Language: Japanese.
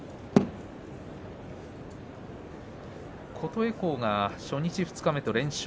琴恵光が初日、二日目と連勝。